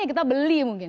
kita beli mungkin